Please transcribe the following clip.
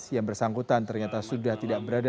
yang bersangkutan ternyata sudah tidak berada